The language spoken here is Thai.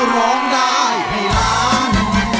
ร้องได้๖๐๐๐๐บาท